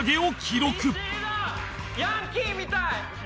ヤンキーみたい！